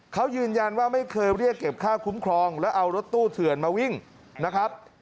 เขายืนยันว่าไม่เคยเรียกเก็บค่าคุ้มครองแล้วเอารถตู้เถื่อนมาวิ่งนะครับ